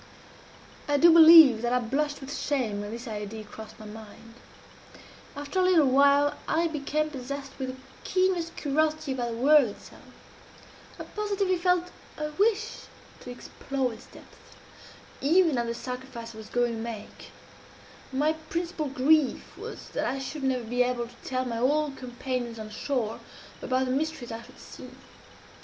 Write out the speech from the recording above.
I do believe that I blushed with shame when this idea crossed my mind. After a little while I became possessed with the keenest curiosity about the whirl itself. I positively felt a wish to explore its depths, even at the sacrifice I was going to make; and my principal grief was that I should never be able to tell my old companions on shore about the mysteries I should see.